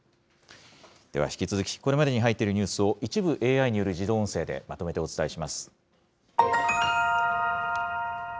では、引き続きこれまでに入っているニュースを一部ＡＩによる自動音声でまとめてお伝えします。